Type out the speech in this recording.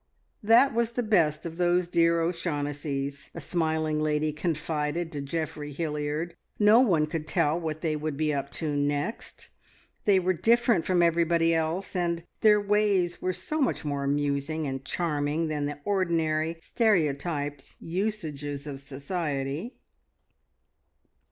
That was the best of those dear O'Shaughnessys, a smiling lady confided to Geoffrey Hilliard no one could tell what they would be up to next! They were different from everybody else, and their ways were so much more amusing and charming than the ordinary stereotyped usages of society.